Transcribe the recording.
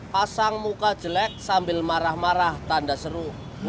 pasang muka jelek sambil marah marah tanda seru